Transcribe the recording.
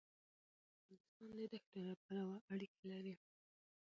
افغانستان د دښتو پلوه اړیکې لري.